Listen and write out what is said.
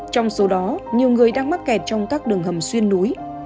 trong số đó nhiều người đang mắc kẹt trong các đường hầm xuyên núi